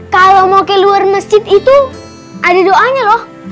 kalau mau ke luar masjid itu ada doanya loh